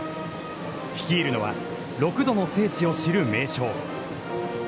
率いるのは、６度の聖地を知る名将。